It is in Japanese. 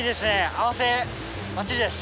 合わせばっちりです。